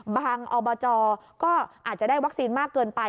อบจก็อาจจะได้วัคซีนมากเกินไป